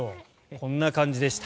こんな感じでした。